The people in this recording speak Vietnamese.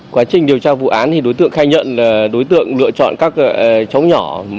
quá trình điều tra vụ án thì đối tượng khai nhận đối tượng lựa chọn các cháu nhỏ